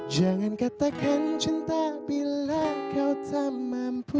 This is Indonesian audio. jangan katakan cinta bila kau tak mampu